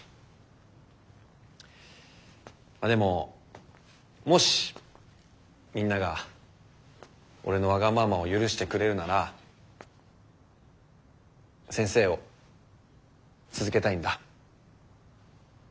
まあでももしみんなが俺のわがままを許してくれるなら先生を続けたいんだ。